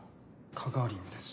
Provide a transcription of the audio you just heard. カガーリンです。